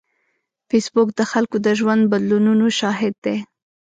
فېسبوک د خلکو د ژوند بدلونونو شاهد دی